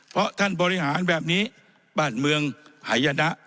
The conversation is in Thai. เพราะท่านบริหารแบบนี้บ้านเมืองหายนะ